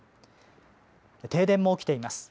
停電も起きています。